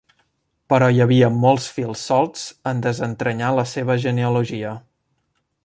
Però hi havia molts fils solts en desentranyar la seva genealogia.